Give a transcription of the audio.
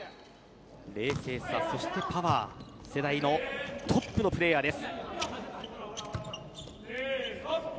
冷静さ、そしてパワー世代のトップのプレーヤーです。